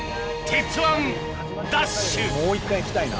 もう一回来たいな。